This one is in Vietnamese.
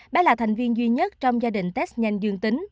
bé là thành viên duy nhất trong gia đình test nhanh dương tính